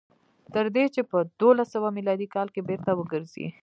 تر دې چې په دولس سوه میلادي کال کې بېرته وګرځي.